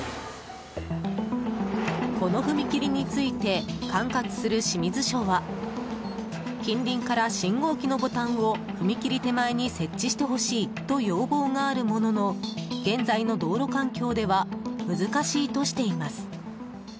この踏切について管轄する清水署は近隣から信号機のボタンを踏切手前に設置してほしいと要望があるものの現在の道路環境では難しいとしています。